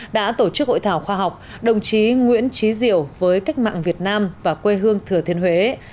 đã tổ chức hội thảo khoa học đồng chí nguyễn trí diểu với cách mạng việt nam và quê hương thừa thiên huế